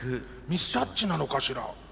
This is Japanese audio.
ミスタッチなのかしら？